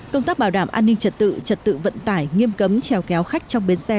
công tác bảo đảm an ninh trật tự trật tự vận tải nghiêm cấm trèo kéo khách trong bến xe